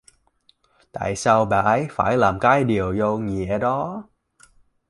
tại sao bà ấy phải làm cái điều vô nghĩa đó